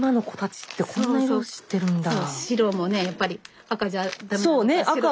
白もねやっぱり赤じゃダメだったら白。